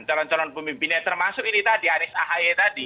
calon calon pemimpinnya termasuk ini tadi anis ahe tadi